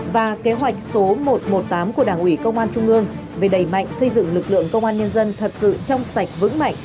và kế hoạch số một trăm một mươi tám của đảng ủy công an trung ương về đẩy mạnh xây dựng lực lượng công an nhân dân thật sự trong sạch vững mạnh